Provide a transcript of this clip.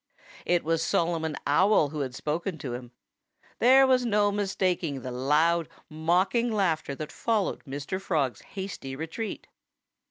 It was Solomon Owl who had spoken to him. There was no mistaking the loud, mocking laughter that followed Mr. Frog's hasty retreat.